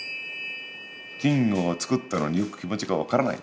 金魚を作ったのによく気持ちが分からない。